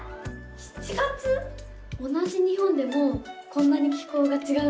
同じ日本でもこんなに気候がちがうんだな。